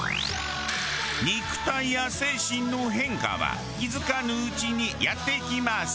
肉体や精神の変化は気づかぬうちにやってきます。